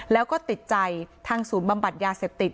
แล้วก็ติดใจทางศูนย์บำบัดยาเสพติด